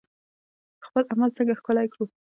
خپل عمل څنګه ښکلی کړو؟